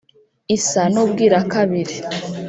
isa n' ubwirakabiri